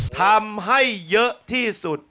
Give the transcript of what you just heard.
ทำให้เยอะที่สุด